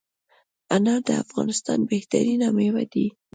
انار دافغانستان بهترینه میوه ده